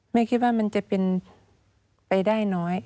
แม่คิดว่ามันจะเป็นไปได้น้อย